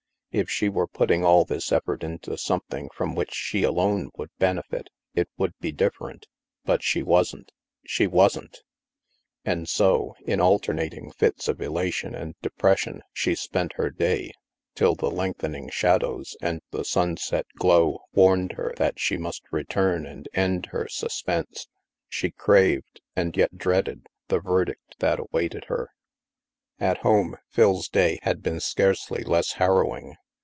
If she were putting all this effort into something from which she alone would benefit, it would be different But she wasn't! She wasn't ! And so, in alternating fits of elation and depres sion, she spent her day, till the lengthening shadows and the sunset glow warned her that she must return and end her suspense. She craved, and yet dreaded, the verdict that awaited her. At home, Phil's day had been scarcely less har rowing.